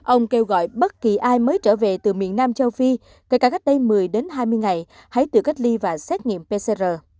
ông kêu gọi bất kỳ ai mới trở về từ miền nam châu phi kể cả cách đây một mươi đến hai mươi ngày hãy tự cách ly và xét nghiệm pcr